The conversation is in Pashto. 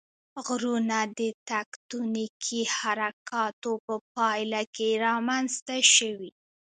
غرونه د تکتونیکي حرکاتو په پایله کې رامنځته شوي.